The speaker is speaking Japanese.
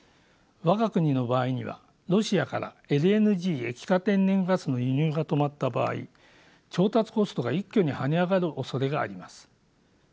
我が国の場合にはロシアからＬＮＧ液化天然ガスの輸入が止まった場合調達コストが一挙に跳ね上がるおそれがあります。